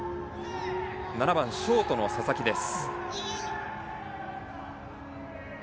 ７番ショートの佐々木です。